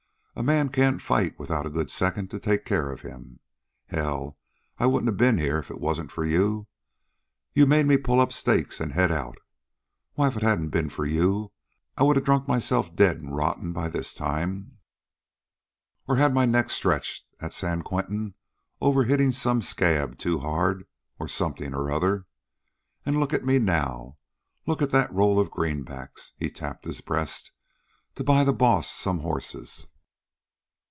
A man can't fight without a good second to take care of him. Hell, I wouldn't a ben here if it wasn't for you. You made me pull up stakes an' head out. Why, if it hadn't been for you I'd a drunk myself dead an' rotten by this time, or had my neck stretched at San Quentin over hittin' some scab too hard or something or other. An' look at me now. Look at that roll of greenbacks" he tapped his breast "to buy the Boss some horses.